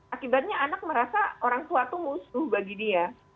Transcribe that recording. akibatnya anak merasa orang tua itu musuh bagi dia